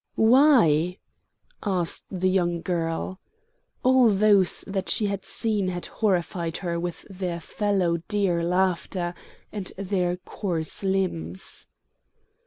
"Why?" asked the young girl. All those that she had seen had horrified her with their fallow deer laughter and their coarse limbs.